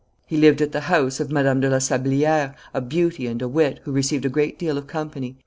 He lived at the house of Madame de La Sabliere, a beauty and a wit, who received a great deal of company.